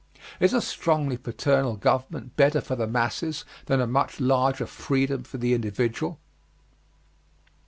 Is a strongly paternal government better for the masses than a much larger freedom for the individual?